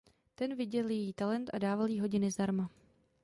Ten viděl její talent a dával jí hodiny zdarma.